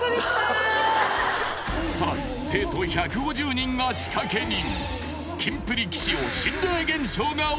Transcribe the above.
さらに生徒１５０人が仕掛人